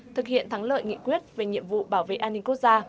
thực hiện thắng lợi nghị quyết về nhiệm vụ bảo vệ an ninh quốc gia